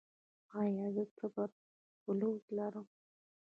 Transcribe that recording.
ایا زه تبرکلوز لرم؟